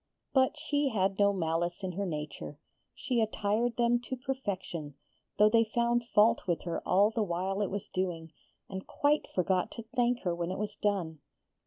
But she had no malice in her nature; she attired them to perfection, though they found fault with her all the while it was doing, and quite forgot to thank her when it was done.